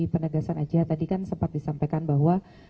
penegasan aja tadi kan sempat disampaikan bahwa